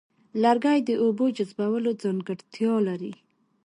لرګي د اوبو جذبولو ځانګړتیا لري.